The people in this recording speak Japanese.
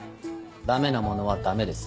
ダメなものはダメです。